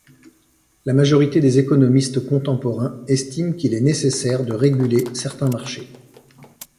La majorité des économistes contemporains estiment qu'il est nécessaire de réguler certains marchés.